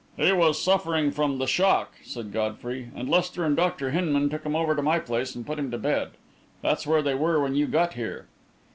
"He was suffering from the shock," said Godfrey, "and Lester and Dr. Hinman took him over to my place and put him to bed. That's where they were when you got here."